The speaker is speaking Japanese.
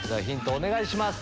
お願いします。